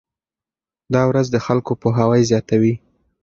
دا ورځ د خلکو پوهاوی زیاتوي.